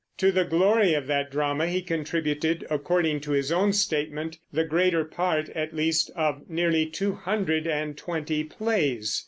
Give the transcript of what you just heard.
To the glory of that drama he contributed, according to his own statement, the greater part, at least, of nearly two hundred and twenty plays.